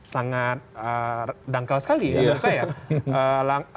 sangat dangkal sekali menurut saya